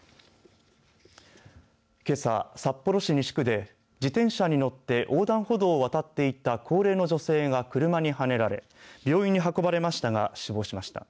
けさ、札幌市西区で自転車に乗って横断歩道を渡っていた高齢の女性が車にはねられ病院に運ばれましたが死亡しました。